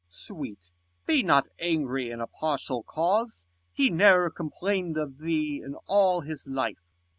Com. Sweet, be not angry in a partial cause, He ne'er complain'd of thee in all his life.